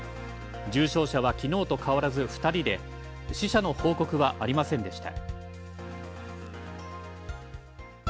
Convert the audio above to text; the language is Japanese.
重症者は昨日と変わらず２人で死者の報告はありませんでした。